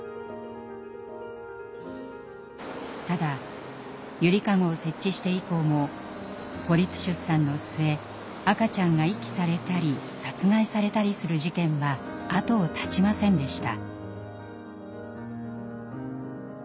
ただ「ゆりかご」を設置して以降も孤立出産の末赤ちゃんが遺棄されたり殺害されたりする事件は後を絶ちませんでした。